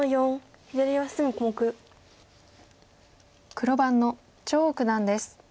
黒番の張栩九段です。